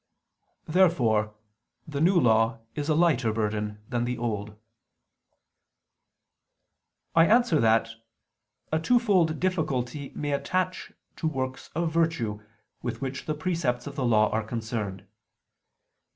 Therefore the New Law is a lighter burden than the Old. I answer that, A twofold difficulty may attach to works of virtue with which the precepts of the Law are concerned.